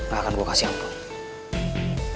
gak akan gue kasih ampun